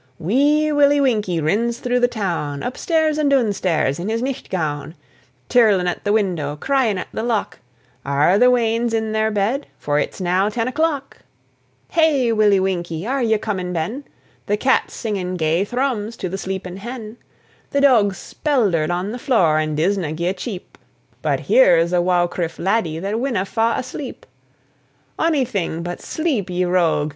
Wee Willie Winkie rins through the town, Up stairs and doon stairs, in his nicht gown, Tirlin' at the window, cryin' at the lock, "Are the weans in their bed? for it's now ten o'clock." Hey, Willie Winkie! are ye comin' ben? The cat's singin' gay thrums to the sleepin' hen, The doug's speldered on the floor, and disna gie a cheep; But here's a waukrife laddie that winna fa' asleep. Onything but sleep, ye rogue!